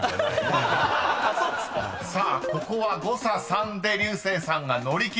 ［さあここは誤差３で竜星さんが乗り切りました］